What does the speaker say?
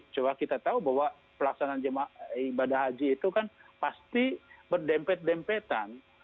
coba kita tahu bahwa pelaksanaan ibadah haji itu kan pasti berdempet dempetan